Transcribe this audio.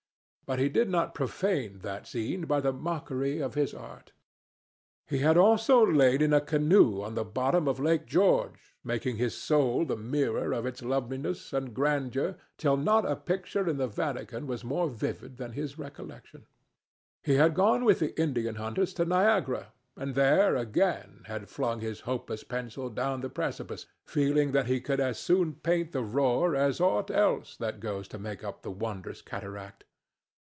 But he did not profane that scene by the mockery of his art. He had also lain in a canoe on the bosom of Lake George, making his soul the mirror of its loveliness and grandeur till not a picture in the Vatican was more vivid than his recollection. He had gone with the Indian hunters to Niagara, and there, again, had flung his hopeless pencil down the precipice, feeling that he could as soon paint the roar as aught else that goes to make up the wondrous cataract.